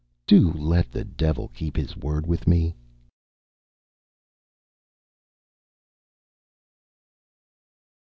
Do let the Devil keep his word with me!"